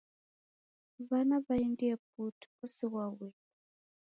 W'ana w'aendie putu, osighwa ueka.